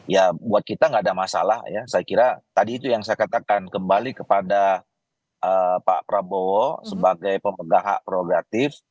ya buat kita nggak ada masalah ya saya kira tadi itu yang saya katakan kembali kepada pak prabowo sebagai pemegah hak progratif